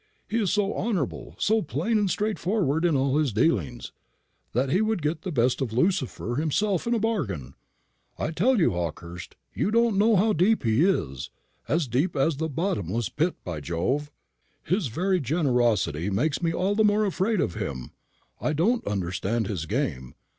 He is so honourable, so plain and straightforward in all his dealings, that he would get the best of Lucifer himself in a bargain. I tell you, Hawkehurst, you don't know how deep he is as deep as the bottomless pit, by Jove! His very generosity makes me all the more afraid of him. I don't understand his game.